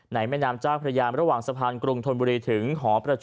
ในแม่น้ำจากพระยานระหว่างสะพานกรุงธนบุรีถึงหอประชุมกองทัพเรือ